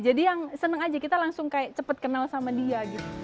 jadi yang senang saja kita langsung cepat kenal sama dia